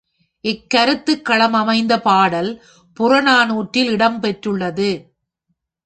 இக்கருத்துக் களமைந்த பாடல் புறநானூற்றில் இடம் பெற்றுள்ளது.